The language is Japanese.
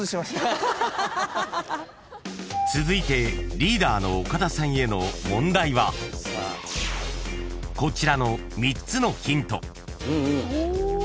［続いてリーダーの岡田さんへの問題はこちらの３つのヒント］